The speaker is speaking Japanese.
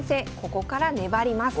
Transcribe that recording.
ここから粘ります。